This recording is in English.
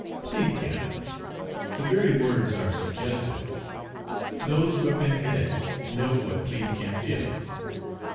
"PLEBE CAMP!" The very words are suggestive. Those who have been cadets know what "plebe camp" is.